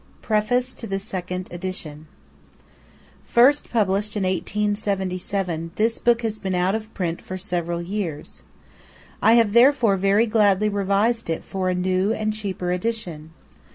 PREFACE TO THE SECOND EDITION FIRST published in 1877, this book has been out of print for several years. I have therefore very gladly revised it for a new and cheaper edition.